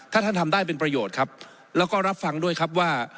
ถ้าท่านทำได้เป็นประโยชน์ครับแล้วก็รับฟังด้วยครับว่า